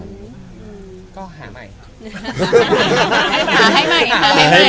พี่ตุ้มขอคำในเรื่องหนึ่งค่ะ